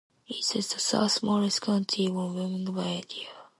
It is the third-smallest county in Wyoming by area.